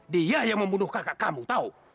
dia yang membunuh kakak kamu tahu